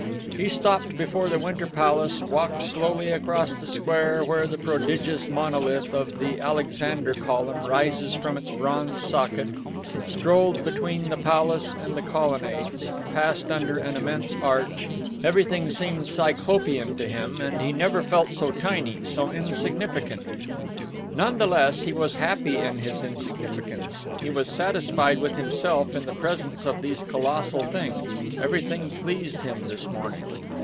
He stopped before the Winter Palace, walked slowly across the square where the prodigious monolith of the Alexander Column rises from its bronze socket, strolled between the palace and the colonnades, passed under an immense arch: everything seemed Cyclopean to him, and he never had felt so tiny, so insignificant. None the less he was happy in his insignificance, he was satisfied with himself in the presence of these colossal things; everything pleased him this morning.